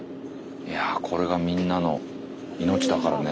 いやこれがみんなの命だからね。